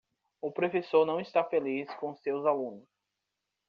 O professor não está feliz com seus alunos.